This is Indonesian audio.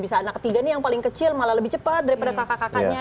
bisa anak ketiga nih yang paling kecil malah lebih cepat daripada kakak kakaknya